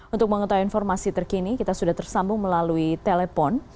untuk mengetahui informasi terkini kita sudah tersambung melalui telepon